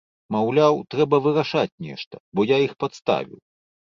Маўляў, трэба вырашаць нешта, бо я іх падставіў.